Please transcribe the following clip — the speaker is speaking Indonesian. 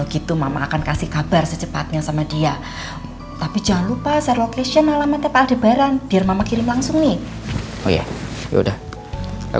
gak boleh sampai terluka